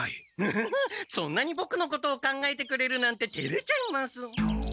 アハハそんなにボクのことを考えてくれるなんててれちゃいます。